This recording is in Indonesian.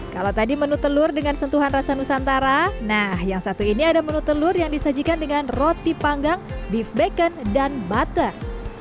kalau tadi menu telur dengan sentuhan rasa nusantara nah yang satu ini ada menu telur yang disajikan dengan roti panggang beef bacon dan butter